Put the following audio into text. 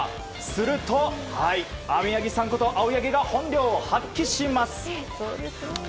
すると、雨柳さんこと青柳が本領発揮します。